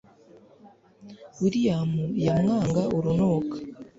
william yamwanga urunuka